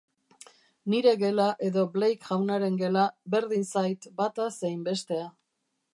Nire gela edo Blake jaunaren gela, berdin zait bata zein bestea.